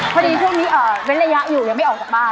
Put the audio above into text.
พอดีพวกนี้เว้นระยะอยู่ยังไม่ออกจากบ้าน